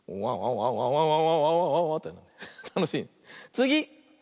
つぎ！